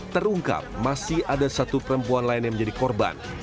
terungkap masih ada satu perempuan lain yang menjadi korban